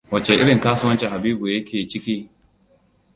Wace irin kasuwanci Habibu yake ciki?